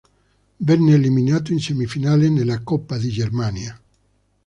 Venne eliminato in semifinale nella Coppa di Germania.